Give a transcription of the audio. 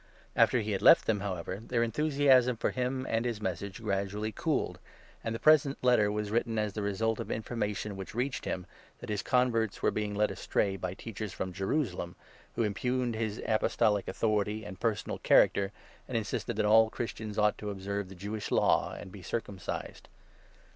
After he had left them, however, their enthusiasm for him and for his Message gradually cooled, and the present Letter was written as the result of information which reached him, that his converts were being led astray by teachers from Jerusalem, who impugned his apostolic authority and personal character, and insisted that all Christians ought to observe the Jewish Law and be circum cised.